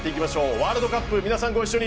ワールドカップ、皆さんご一緒に。